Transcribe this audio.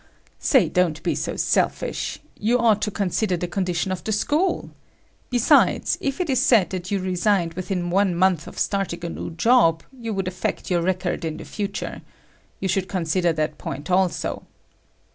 "Say, don't be so selfish. You ought to consider the condition of the school. Besides, if it is said that you resigned within one month of starting a new job, it would affect your record in the future. You should consider that point also."